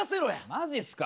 マジっすか？